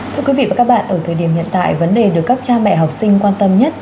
thưa quý vị và các bạn ở thời điểm hiện tại vấn đề được các cha mẹ học sinh quan tâm nhất